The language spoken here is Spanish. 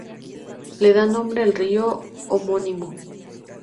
Le da nombre el río homónimo.